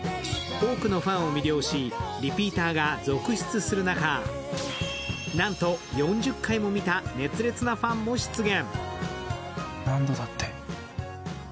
多くのファンを魅了し、リピーターが続出する中、なんと４０回も見た熱烈なファン出現。